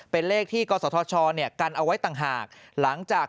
เป็นเลขที่กศชกันเอาไว้ต่างหาก